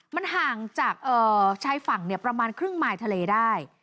มันห่างจากชายฝั่งประมาณครึ่งมายทะเลได้